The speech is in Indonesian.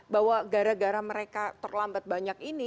bahwa gara gara mereka terlambat banyak ini